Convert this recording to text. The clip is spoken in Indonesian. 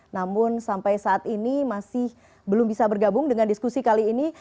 namun sampai saat ini masih belum bisa bergabung dengan diskusi kali ini